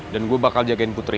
dan gua bakal jagain putri